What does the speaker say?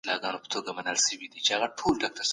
د اوبو په ذریعه بدن ته ارام رسیږي.